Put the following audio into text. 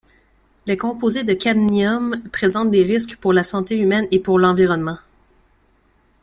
Les composés de cadmium présentent des risques pour la santé humaine et pour l'environnement.